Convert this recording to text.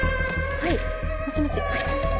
はいもしもし。